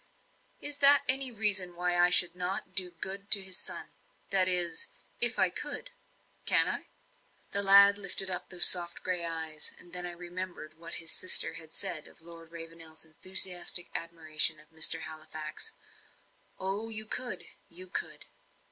"Is that any reason why I should not do good to his son that is, if I could? Can I?" The lad lifted up those soft grey eyes, and then I remembered what his sister had said of Lord Ravenel's enthusiastic admiration of Mr. Halifax. "Oh, you could you could."